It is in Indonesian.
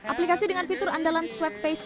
aplikasi dengan fitur andalan swab face